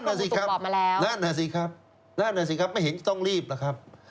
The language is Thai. นั่นแหละสิครับนั่นแหละสิครับนั่นแหละสิครับไม่เห็นที่ต้องรีบหรือครับ